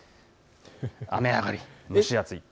雨上がり、蒸し暑い。